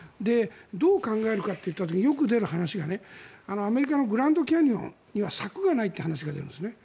どう考えるかという時によく出る話がアメリカのグランドキャニオンには柵がないという話が出るんですね。